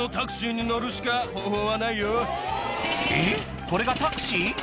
えっこれがタクシー？